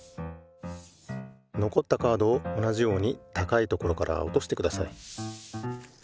のこったカードを同じようにたかいところからおとしてください。